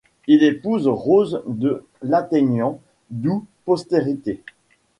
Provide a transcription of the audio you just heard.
Il épouse Rose de Lattaignant d'où postérité.